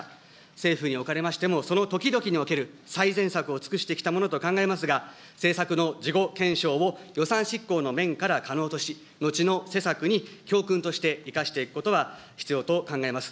政府におかれましてもその時々における最善策を尽くしてきたと考えますが、政策の事後検証を予算執行の面から可能とし、後の施策に教訓として生かしていくことは必要と考えます。